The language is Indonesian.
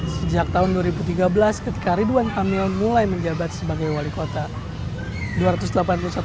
sejak tahun dua ribu tiga belas ketika ridwan kamil mulai menjabat sebagai wali kota